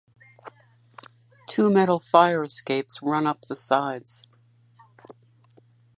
Two metal fire escapes run up the sides.